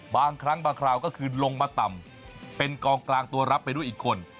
บางครั้งบางคราวก็คือลงมาต่ำเป็นกองกลางตัวรับไปด้วยอีกคน